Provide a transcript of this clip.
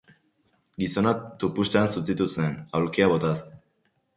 Gizona tupustean zutitu zen, aulkia botaz.